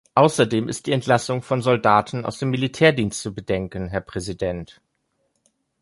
Außerdem ist die Entlassung von Soldaten aus dem Militärdienst zu bedenken, Herr Präsident.